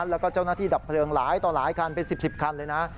แล้วก็เจ้าหน้าที่ดับเพลิงหลายต่อหลายคันเป็น๑๐คันเลยนะ